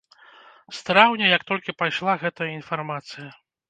З траўня, як толькі пайшла гэтая інфармацыя.